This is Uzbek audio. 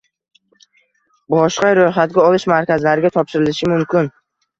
boshqa ro‘yxatga olish markazlariga topshirilishi mumkin.